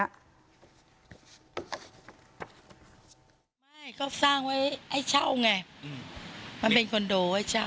ไม่เขาสร้างไว้ให้เช่าไงมันเป็นคอนโดให้เช่า